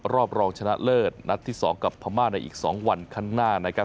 รอบรองชนะเลิศนัดที่๒กับพม่าในอีก๒วันข้างหน้านะครับ